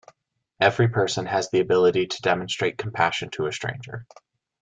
Every person has the ability to demonstrate compassion to a stranger.